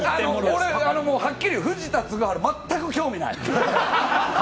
俺はっきり、藤田嗣治、全く興味ない！